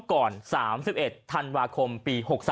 ก่อน๓๑ธันวาคมปี๖๓